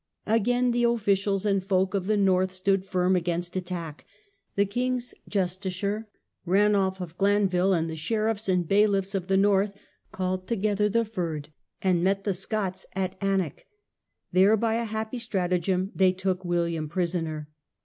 Again the officials and the folk of the north 28 LEGAL REFORMS. Stood firm against attack. The king's justiciar, Ranulf of Glanville, and the sheriffs and bailiffs of the north, called together the^rd&nd met the Scots at Alnwick. There by a happy stratagem they took William prisoner.